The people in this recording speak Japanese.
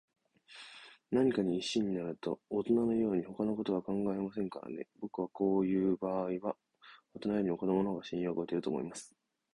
何かに一心になると、おとなのように、ほかのことは考えませんからね。ぼくはこういうばあいには、おとなよりも子どものほうが信用がおけると思います。